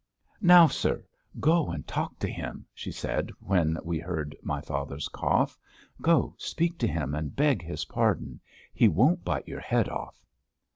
"Now, sir, go and talk to him," she said, when we heard my father's cough. "Go, speak to him, and beg his pardon. He won't bite your head off."